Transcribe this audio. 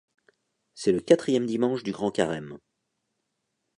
C'est le quatrième dimanche du Grand Carême.